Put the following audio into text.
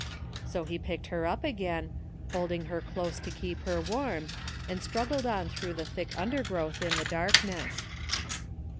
So he picked her up again^ holding her close to keep her warm, and struggled on through the thick imdergrowth in the darkness.